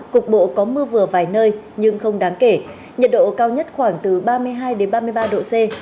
cục bộ có mưa vừa vài nơi nhưng không đáng kể nhiệt độ cao nhất khoảng từ ba mươi hai ba mươi ba độ c